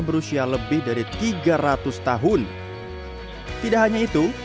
berusia lebih dari tiga ratus tahun tidak hanya itu